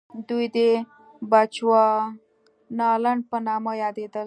دوی د بچوانالنډ په نامه یادېدل.